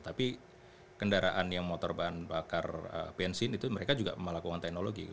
tapi kendaraan yang motor bahan bakar bensin itu mereka juga melakukan teknologi